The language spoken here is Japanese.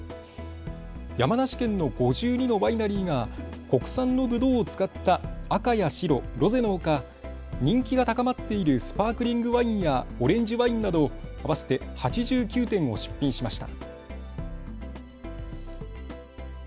山梨県の５２のワイナリーが国産のぶどうを使った赤や白、ロゼのほか、人気が高まっているスパークリングワインやオレンジワインなど合わせて８９点を出品しました。